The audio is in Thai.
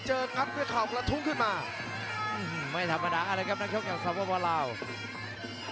เจอกับเพื่อเขากระทุ้งขึ้นมาอื้อหือไม่ธรรมดาอะไรครับนักโชคอย่างสมบัติบอลลาด้วย